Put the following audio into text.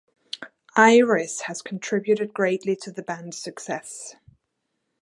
"Iris" has contributed greatly to the band's success.